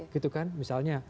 gitu kan misalnya